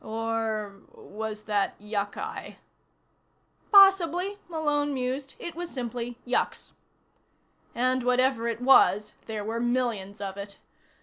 Or was that yucci? Possibly, Malone mused, it was simply yucks. And whatever it was, there were millions of it.